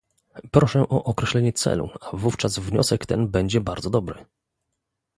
Proszę o określenie celu, a wówczas wniosek ten będzie bardzo dobry